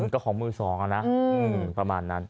ก็ของมือสองอ่ะนะประมาณนั้น